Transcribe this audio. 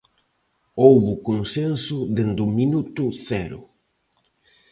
Houbo consenso dende o minuto cero.